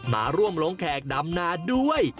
มาร่วมลงแขกดำนาด้วย